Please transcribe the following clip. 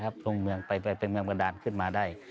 ลงเมืองไปเป็นเมืองประดานขึ้นมาได้